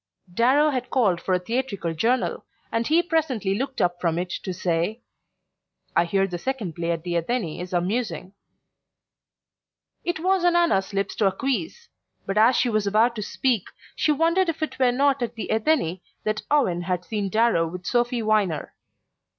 Darrow had called for a theatrical journal, and he presently looked up from it to say: "I hear the second play at the Athenee is amusing." It was on Anna's lips to acquiesce; but as she was about to speak she wondered if it were not at the Athenee that Owen had seen Darrow with Sophy Viner.